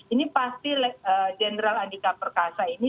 ini pasti jenderal andika perkasa ini